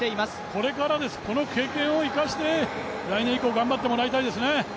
これからです、この経験を生かして、来年以降、頑張ってほしいですね。